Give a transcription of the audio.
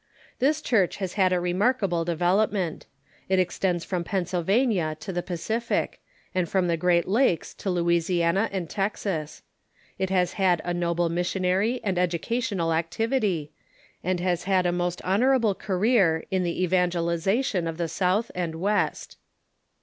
This Church has had a re markable development. It extends from Pennsylvania to the Pacific, and from the Great Lakes to Louisiana and Texas. It has had a noble missionary and educational activity, and has had a most honorable career in the evangelization of the South and "West.